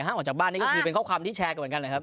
ห้ามออกจากบ้านนี่ก็คือเป็นข้อความที่แชร์กันเหรอครับ